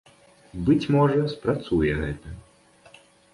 Быць можа, спрацуе гэта.